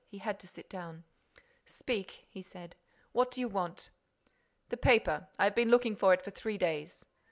He had to sit down: "Speak," he said. "What do you want?" "The paper. I've been looking for it for three days."